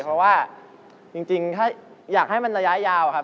เพราะว่าจริงถ้าอยากให้มันระยะยาวครับ